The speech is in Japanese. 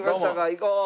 行こう！